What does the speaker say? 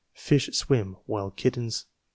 Fish swim, while kittens .